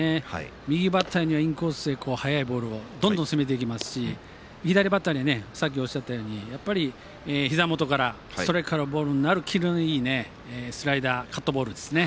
右バッターにはインコースで速いボールをどんどん攻めていきますし左バッターにはさっきおっしゃったようにひざ元からストライクになるボール、キレのあるスライダー、カットボールですね。